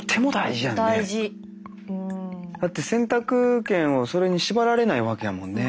だって選択権をそれに縛られないわけやもんね。